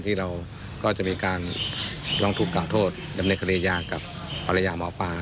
ที่เราก็จะมีการลองถูกกล่าวโทษดำเนินคดียากับภรรยาหมอปลา